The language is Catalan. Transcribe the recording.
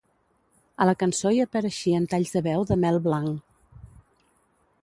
A la cançó hi apareixien talls de veu de Mel Blanc.